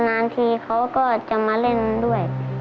นานทีเขาก็จะมาเล่นด้วย